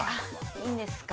◆いいんですか。